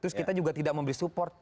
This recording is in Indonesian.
terus kita juga tidak mau beli support